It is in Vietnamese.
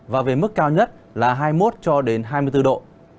và về mức cao nhất là hai mươi một hai mươi bốn độ